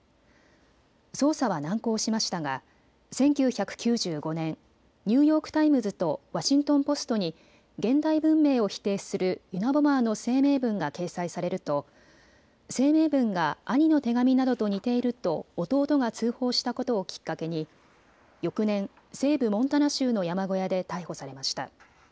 捜査は難航しましたが１９９５年、ニューヨーク・タイムズとワシントン・ポストに現代文明を否定するユナボマーの声明文が掲載されると声明文が兄の手紙などと似ていると弟が通報したことをきっかけに翌年、西部モンタナ州の山小屋で逮捕されました。